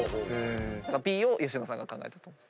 だからＢを吉野さんが考えたと思う。